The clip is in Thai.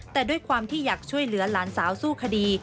แต่ด้วยความที่อยากช่วยเหลือหลานสาวสู้คดี